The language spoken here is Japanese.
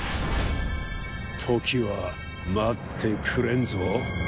時は待ってくれんぞ。